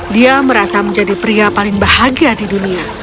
dia merasa menjadi pria paling bahagia di dunia